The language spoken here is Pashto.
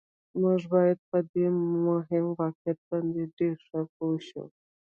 موږ باید په دې مهم واقعیت باندې ډېر ښه پوه شو